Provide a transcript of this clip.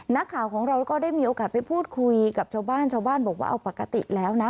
นักข่าวของเราก็ได้มีโอกาสไปพูดคุยกับชาวบ้านชาวบ้านบอกว่าเอาปกติแล้วนะ